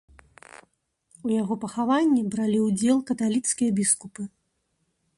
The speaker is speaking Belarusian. У яго пахаванні бралі ўдзел каталіцкія біскупы.